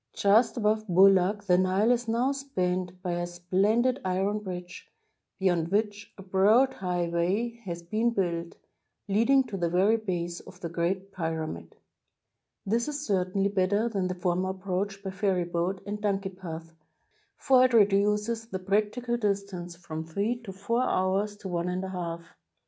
Just above Boulak the Nile is now spanned by a splendid iron bridge, beyond which a broad highway has been built, leading to the very base of the Great Pyra mid. This is certainly better than the former approach by ferryboat and donkey path, for it reduces the practi cal distance from three or four hours to one and a half.